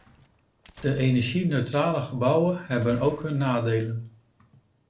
De energieneutrale gebouwen hebben ook hun nadelen.